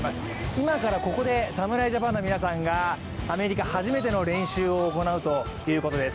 今からここで侍ジャパンの皆さんがアメリカ初めての練習を行うということです。